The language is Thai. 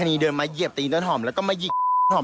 สิ่งที่เพื่อนสดผ่านเฟซบุ๊คก็คือเหมือนกับว่าปัญหาเกิดจากต้นหอม